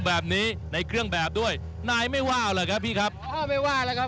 แบบนี้ในเครื่องแบบด้วยนายไม่ว่าวเลยครับพี่ครับโอ้ไม่ว่าแล้วครับ